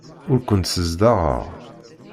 Ur kent-ssezdaɣeɣ.